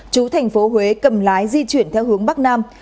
chú thành phố huế cầm lái di chuyển theo hướng bắc nam